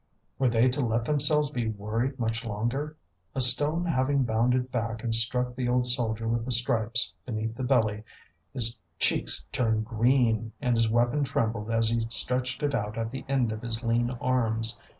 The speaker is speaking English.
Were they to let themselves be worried much longer? A stone having bounded back and struck the old soldier with the stripes beneath the belly, his cheeks turned green, and his weapon trembled as he stretched it out at the end of his lean arms.